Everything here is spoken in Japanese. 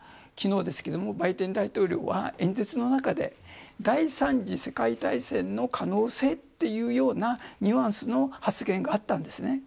昨日ですが、バイデン大統領は演説の中で第３次世界大戦の可能性というようなニュアンスの発言があったんです。